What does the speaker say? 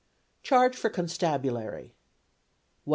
Charge for Constabulary